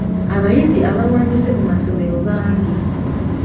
Abayizi abawanduse mu masomero bangi.